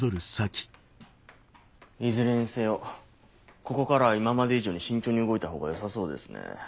いずれにせよここからは今まで以上に慎重に動いた方がよさそうですね。